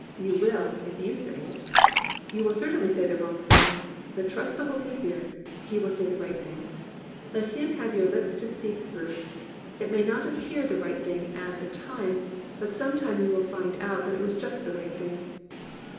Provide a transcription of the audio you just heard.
You will, if you say it. You will certainly say the wrong thing; but trust the Holy Spirit, He will say the right thing. Let Him have your lips to speak through. It may not appear the right thing at the time, but some time you will find out that it was just the right thing.